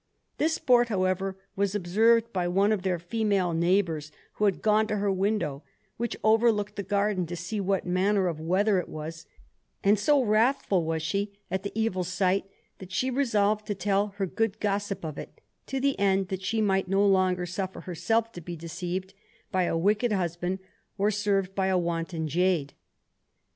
This sport, however, was observed by one of their female neighbours who had gone to her window, which overlooked the garden, to see what manner of weather it was, and so wrathful was she at the evil sight, that she resolved to tell her good gossip of it, to the end that she might no longer suffer herself to be deceived by a wicked husband or served by a wanton jade.